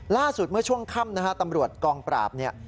ล่าสุดเมื่อช่วงค่ำนะฮะตำรวจกองปราบเนี่ย